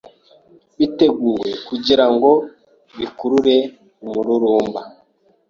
biteguwe kugira ngo bikurure umururumba.